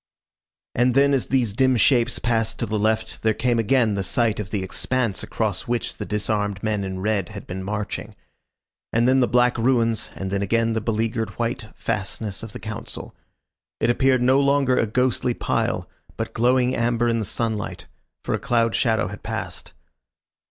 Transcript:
And then as these dim shapes passed to the left there came again the sight of the expanse across which the disarmed men in red had been marching. And then the black ruins, and then again the beleaguered white fastness of the Council. It appeared no longer a ghostly pile, but glowing amber in the sunlight, for a cloud shadow had passed.